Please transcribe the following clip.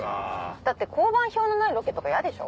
だって香盤表のないロケとか嫌でしょ？